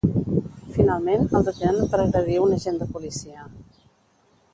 Finalment, el detenen per agredir un agent de policia.